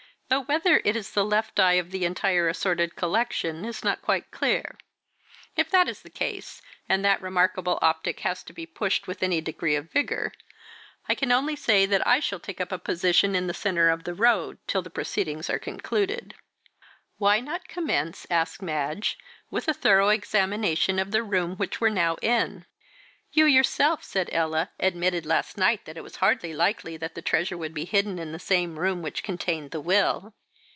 "Though whether it is the left eye of the entire assorted collection is not quite clear. If that is the case, and that remarkable optic has to be pushed with any degree of vigour, I can only say that I shall take up a position in the centre of the road till the proceedings are concluded." "Why not commence," asked Madge, "with a thorough examination of the room which we're now in?" "You yourself," said Ella, "admitted last night that it was hardly likely that the treasure would be hidden in the same room which contained the will."